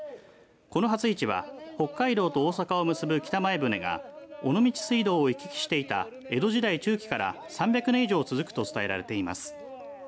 この初市は北海道と大阪を結ぶ北前船が尾道水道を行き来していた江戸時代中期から３００年以上続くと伝えられています。